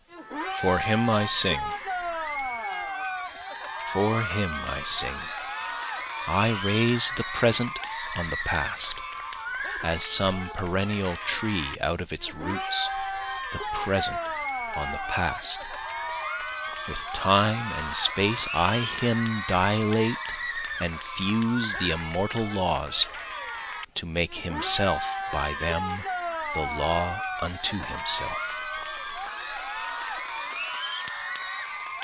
For Him I Sing For him I sing, I raise the present on the past, (As some perennial tree out of its roots, the present on the past,) With time and space I him dilate and fuse the immortal laws, To make himself by them the law unto himself.